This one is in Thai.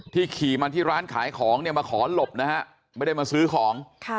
ขี่มาที่ร้านขายของเนี่ยมาขอหลบนะฮะไม่ได้มาซื้อของ